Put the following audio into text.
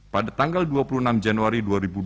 pada tanggal dua puluh enam januari dua ribu dua puluh